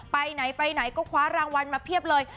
ไปไหนไปไหนก็คว้ารางวัลมาเพียบเลย